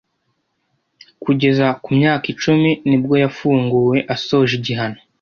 Kugeza ku myaka icumi nibwo yafunguwe asoje igihano